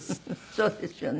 そうですね。